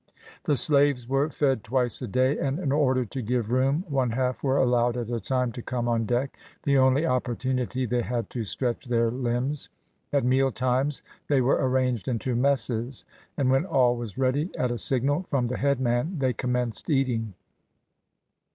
The slaves were fed twice a day, and in order to give room, one half were allowed at a time to come on deck, the only opportunity they had to stretch their limbs. At meal times they were arranged into messes, and when all was ready, at a signal from the head man, they commenced eating.